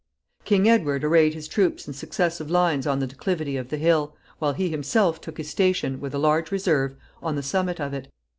King Edward arrayed his troops in successive lines on the declivity of the hill, while he himself took his station, with a large reserve, on the summit of it.